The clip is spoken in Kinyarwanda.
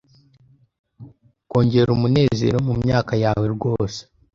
kongera umunezero mumyaka yawe rwose